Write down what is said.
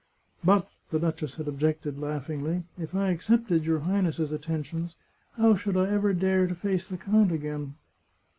" But," the duchess had objected laughingly, " if I ac cepted your Highness's attentions, how should I ever dare to face the count again